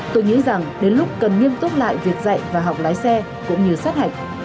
tôi nghĩ rằng đến lúc cần nghiêm túc lại việc dạy và học lái xe cũng như sát hạch